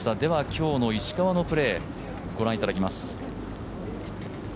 今日の石川のプレーご覧いただきます。